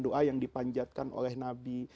doa yang dipanjatkan oleh nabi